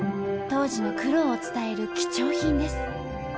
当時の苦労を伝える貴重品です。